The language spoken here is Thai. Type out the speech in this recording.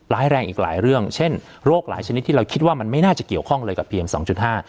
แรงอีกหลายเรื่องเช่นโรคหลายชนิดที่เราคิดว่ามันไม่น่าจะเกี่ยวข้องเลยกับเพียงสองจุดห้า